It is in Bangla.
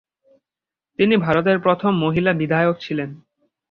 তিনি ভারতের প্রথম মহিলা বিধায়ক ছিলেন।